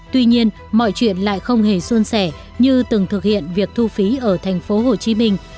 tuy nhiên mọi chuyện lại không hề xuân xẻ như từng thực hiện việc thu phí ở thành phố hồ chí minh